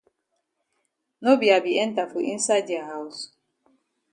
No be I be enter for inside dia haus.